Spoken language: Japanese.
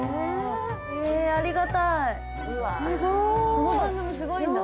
この番組すごいんだ。